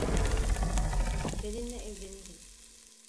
Seninle evlenirim.